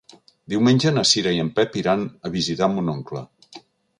Diumenge na Cira i en Pep iran a visitar mon oncle.